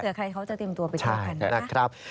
เดี๋ยวใครเขาจะเตรียมตัวไปเจอกันนะครับ